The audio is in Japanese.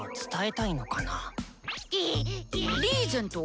リーゼント？